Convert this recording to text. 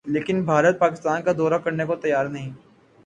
لیکن بھارت پاکستان کا دورہ کرنے کو تیار نہیں